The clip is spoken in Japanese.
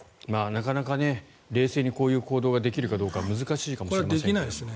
なかなか冷静にこういう行動ができるかどうかは難しいかもしれませんが。